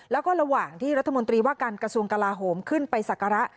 แล้วก็ระหว่างที่รัฐมนตรีว่าการกระทรวงกลาโหมขึ้นไปสักการะ